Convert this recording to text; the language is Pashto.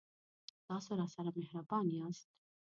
تاسو راسره مهربان یاست